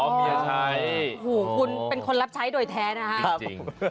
คุณเป็นคนรับใช้โดยแท้นะครับ